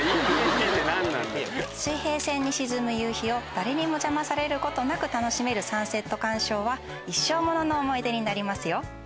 水平線に沈む夕日を誰にも邪魔されることなく楽しめるサンセット観賞は一生ものの思い出になりますよ。